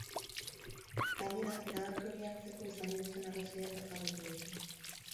Gainera, erabaki hori hartzeko izan dituzten arrazoiak azalduko ditu.